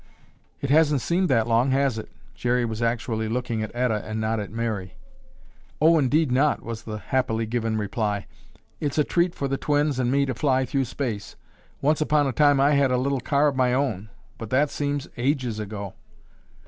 "It hasn't seemed that long, has it?" Jerry was actually looking at Etta and not at Mary. "Oh, indeed not!" was the happily given reply. "It's a treat for the twins and me to fly through space. Once upon a time I had a little car of my own, but that seems ages ago."